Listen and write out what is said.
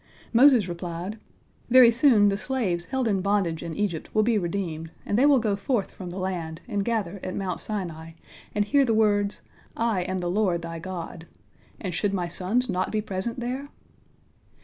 Moses replied: "Very soon the slaves held in bondage in Egypt will be redeemed, and they will go forth from the land, and gather at Mount Sinai, and hear the words, 'I am the Lord thy God,' and should my sons not be present there?"